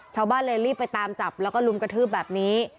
ชาวบ้านเลยรีบไปตามจับแล้วก็ลุมกระทืบแบบนี้